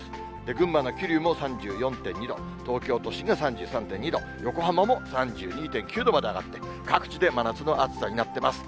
群馬の桐生も３４．２度、東京都心で３３．２度、横浜も３２．９度まで上がって、各地で真夏の暑さになっています。